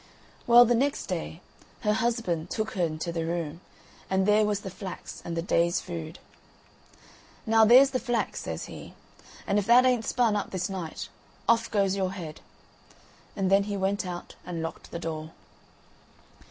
Well, the next day, her husband took her into the room, and there was the flax and the day's food. "Now there's the flax," says he, "and if that ain't spun up this night, off goes your head." And then he went out and locked the door.